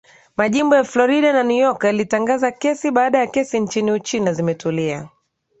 Majimbo ya Florida na New York yalitangaza kesi baada ya kesi nchini Uchina zimetulia